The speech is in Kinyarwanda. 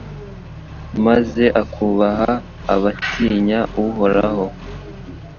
maze akubaha abatinya Uhoraho